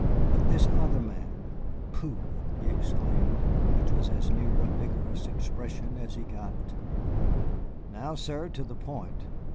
But this other man, pooh!" he exclaimed, which was as near a vigorous expression as he got. "Now, sir, to the point.